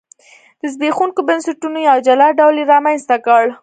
د زبېښونکو بنسټونو یو جلا ډول یې رامنځته کړ.